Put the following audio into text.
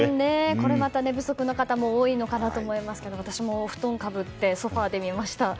これまた寝不足の方も多いのかなと思いますが私もお布団をかぶってソファで見ました。